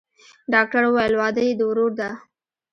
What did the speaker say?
ډاکتر وويل واده يې د ورور دىه.